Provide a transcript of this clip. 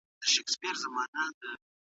هغوی راپورونه ورکوي.